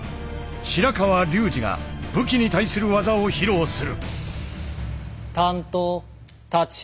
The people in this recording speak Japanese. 白川竜次が武器に対する技を披露する。